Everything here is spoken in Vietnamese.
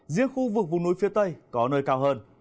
riêng khu vực vùng núi phía tây có nơi cao hơn